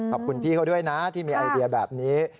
ขอบคุณพี่เขาด้วยนะที่มีไอเดียแบบนี้